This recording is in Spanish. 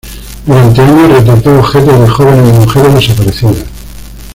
Durante años retrató objetos de jóvenes y mujeres desaparecidas.